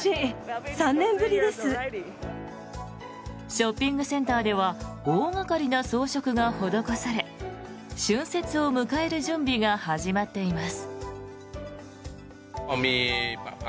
ショッピングセンターでは大掛かりな装飾が施され春節を迎える準備が始まっています。